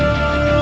aku akan menang